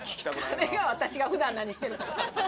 誰が私が普段何してるか。